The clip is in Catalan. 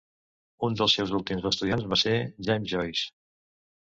Un dels seus últims estudiants va ser James Joyce.